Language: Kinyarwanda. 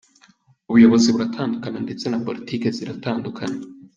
Ubuyobozi buratandukana ndetse na Politiki ziratandukana.